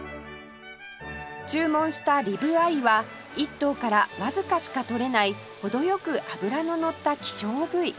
注文したリブアイは１頭からわずかしか取れない程良く脂ののった希少部位